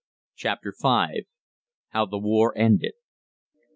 CHAPTER V. HOW THE WAR ENDED.